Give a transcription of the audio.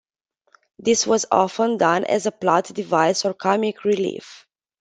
This was often done as a plot device or comic relief.